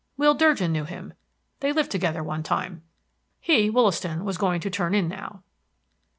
Will Durgin knew him. They lived together one time. He, Wollaston, was going to turn in now.